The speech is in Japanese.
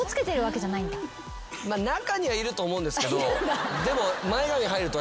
中にはいると思うんですけどでも。